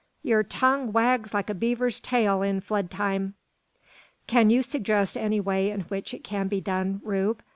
yur tongue wags like a beaver's tail in flood time." "Can you suggest any way in which it can be done, Rube?